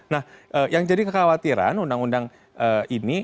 nah yang jadi kekhawatiran undang undang ini